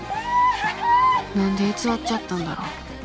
何で偽っちゃったんだろう。